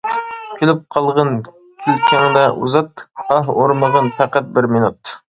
كۈلۈپ قالغىن كۈلكەڭدە ئۇزات، ئاھ. ئۇرمىغىن پەقەت بىر مىنۇت.